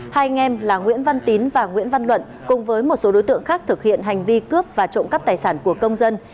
hai anh em là nguyễn văn tín và nguyễn văn luận cùng với một số đối tượng khác thực hiện hành vi cướp và trộm cắp tài sản của công dân